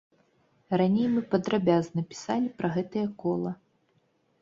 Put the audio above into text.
Раней мы падрабязна пісалі пра гэтае кола.